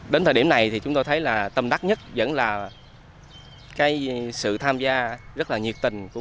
đến thời điểm này thì chúng tôi thấy là tâm đắc nhất vẫn là cái sự tham gia rất là nhiệt tình